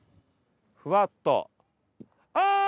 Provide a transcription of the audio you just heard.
ふわっとあぁ！